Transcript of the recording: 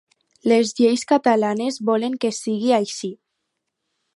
Les lleis catalanes volen que sigui així.